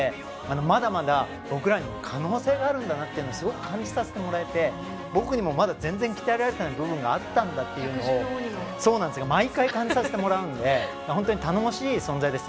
まだまだ僕らにも可能性があるんだなとすごく感じさせてもらえて僕にもまだ全然鍛えられてない部分があったんだというのを毎回、感じさせてもらえるので本当に頼もしい存在です